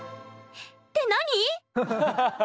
って何？